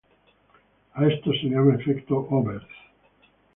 A esto se le llama efecto Oberth.